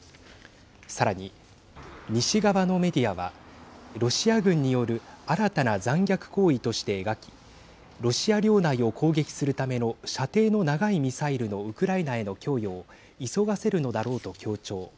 さらに西側のメディアはロシア軍による新たな残虐行為として描きロシア領内を攻撃するための射程の長いミサイルのウクライナへの供与を急がせるのだろうと強調。